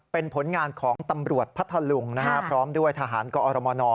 เป็นผลงานของตำรวจพัทธลุงพร้อมด้วยทหารกอรมน